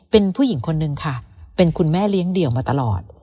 เป็นผู้หญิงคนนึงค่ะเป็นคุณแม่เลี้ยงเดี่ยวมาตลอด